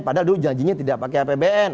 padahal dulu janjinya tidak pakai apbn